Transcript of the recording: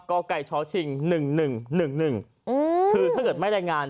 กอลไก่ชอชิงหนึ่งหนึ่งหนึ่งหนึ่งอืมคือถ้าเกิดไม่ได้งาน